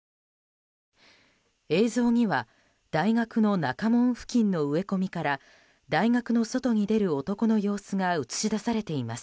映像には大学の中門付近の植え込みから大学の外に出る男の様子が映し出されています。